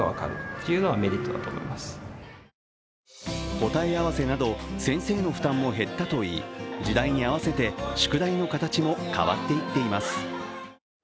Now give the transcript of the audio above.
答え合わせなど先生の負担も減ったといい時代に合わせて宿題の形も変わっていっています。